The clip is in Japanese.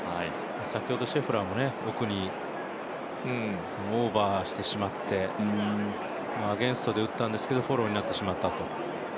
先ほどシェフラーも奥にオーバーしてしまって、アゲンストで打ったんですけどフォローになってしまったと。